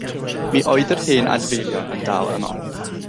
Mi oedd yr hen adfeilion yn dal yno.